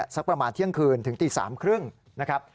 สักประมาณเที่ยงคืนถึงตี๓๓๐นะครับ